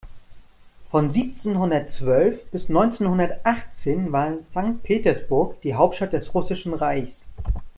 Von siebzehnhundertzwölf bis neunzehnhundertachtzehn war Sankt Petersburg die Hauptstadt des Russischen Reichs.